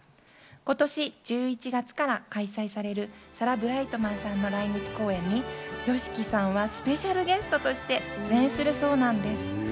今年１１月から開催されるサラ・ブライトマンさんの来日公演に、ＹＯＳＨＩＫＩさんはスペシャルゲストとして出演するそうなんです。